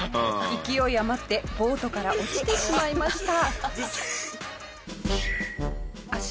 勢い余ってボートから落ちてしまいました。